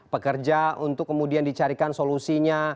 pekerja untuk kemudian dicarikan solusinya